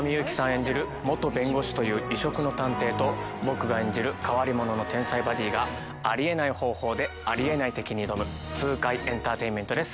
演じる元弁護士という異色の探偵と僕が演じる変わり者の天才バディーがあり得ない方法であり得ない敵に挑む痛快エンターテインメントです。